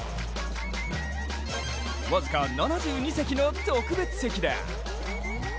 僅か７２席の特別席だ。